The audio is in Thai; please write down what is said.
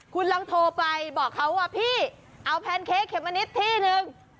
คุณลองโทรไปบอกเขาว่าพี่เอาแพนเค้กเมมะนิดที่หนึ่ง